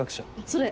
それ。